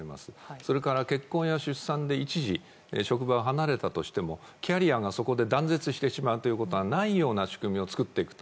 それから結婚や出産で一時職場を離れたとしてもキャリアが、そこで断絶してしまうということがないような仕組みを作っていくと。